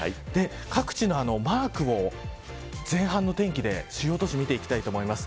各地のマークを前半の天気で主要都市見ていきたいと思います。